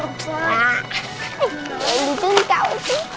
nah ini tuh kau